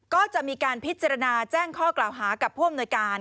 ก็จะมีการพิจารณาแจ้งข้อกล่าวหากับผู้อำนวยการ